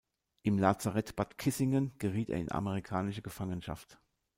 Im Lazarett Bad Kissingen geriet er in amerikanische Gefangenschaft.